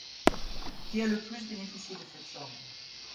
Qui a le plus bénéficié de cette somme?